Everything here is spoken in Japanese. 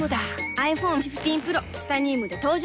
ｉＰｈｏｎｅ１５Ｐｒｏ チタニウムで登場